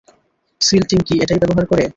Seal team কি এটাই ব্যবহার করে?